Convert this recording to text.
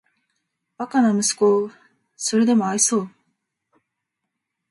バカな息子をーーーーそれでも愛そう・・・